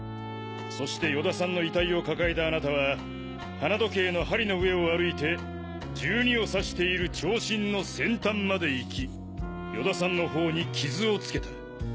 そして与田さんの遺体を抱えたあなたは花時計の針の上を歩いて「１２」を指している長針の先端まで行き与田さんの頬に傷をつけた。